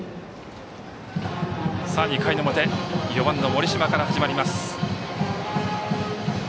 ２回の表、４番の盛島から始まります。